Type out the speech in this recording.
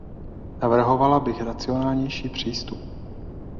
Navrhovala bych racionálnější přístup.